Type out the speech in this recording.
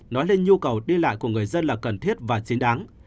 nói lên nhu cầu đi lại của người dân là cần thiết và chính đáng